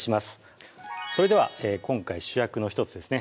それでは今回主役の１つですね